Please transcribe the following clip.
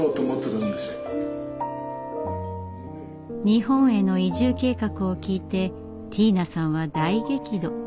日本への移住計画を聞いてティーナさんは大激怒。